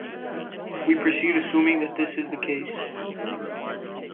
We proceed assuming that this is the case.